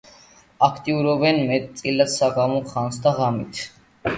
აქტიურობენ მეტწილად საღამო ხანს და ღამით.